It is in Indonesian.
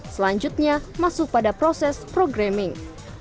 selanjutnya masuk pada proses programming